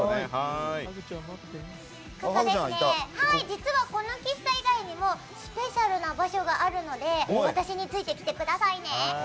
実は、この喫茶以外にもスペシャルな場所があるので私についてきてくださいね。